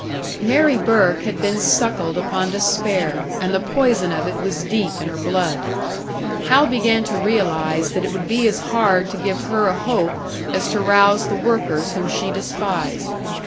Mary Burke had been suckled upon despair, and the poison of it was deep in her blood. Hal began to realise that it would be as hard to give her a hope as to rouse the workers whom she despised.